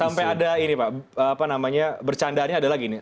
sampai ada ini pak apa namanya bercandaannya adalah gini